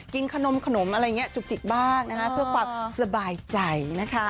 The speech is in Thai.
กินขนมอะไรอย่างนี้จุกจิกบ้างนะคะเพื่อความสบายใจนะคะ